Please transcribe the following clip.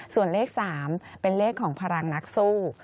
ส่วนเลข๓เป็นเลขของพลังนักสู้